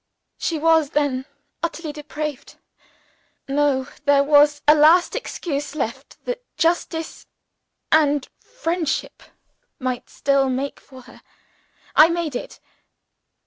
She was then utterly depraved? No! there was a last excuse left that justice and friendship might still make for her. I made it.